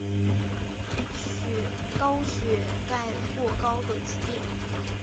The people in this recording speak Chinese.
高血钙过高的疾病。